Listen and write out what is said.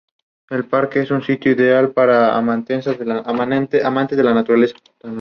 Köhler presenta sus informes sobre investigaciones con antropoides.